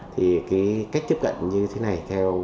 thì cái cách tiếp cận như thế này theo